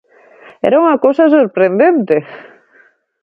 ¡Era unha cousa sorprendente!